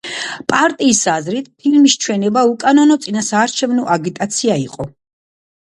პარტიის აზრით, ფილმის ჩვენება უკანონო წინასაარჩევნო აგიტაცია იყო.